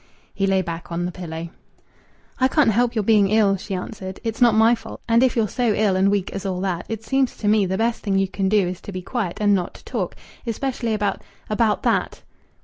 He lay back on the pillow. "I can't help your being ill," she answered. "It's not my fault. And if you're so ill and weak as all that, it seems to me the best thing you can do is to be quiet and not to talk, especially about about that!"